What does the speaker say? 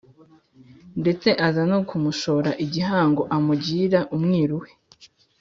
ndetse aza no kumushora igihango amugira umwiru we.